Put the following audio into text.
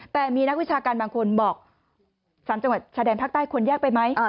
แต่มีนักวิชาการบางคนบอก๓จังหวัดชายแดนภาคใต้ควรแยกไปไหม